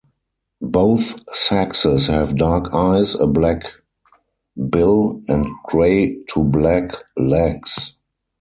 Both sexes have dark eyes, a black bill and grey to black legs.